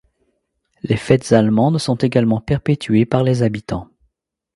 Les fêtes allemandes sont également perpétuées par les habitants.